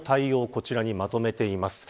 こちらにまとめています。